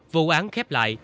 vụ án khép lại